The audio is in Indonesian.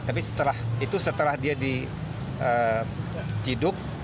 tapi setelah itu setelah dia diciduk